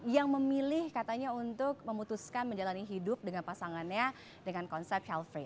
yang memilih katanya untuk memutuskan menjalani hidup dengan pasangannya dengan konsep health free